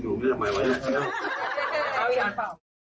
นี่ก็จะมีตัวไหนด้วยเรื่องไทยด้วย